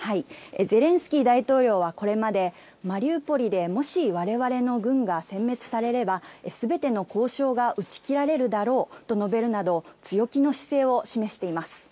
ゼレンスキー大統領はこれまで、マリウポリでもしわれわれの軍がせん滅されれば、すべての交渉が打ち切られるだろうと述べるなど、強気の姿勢を示しています。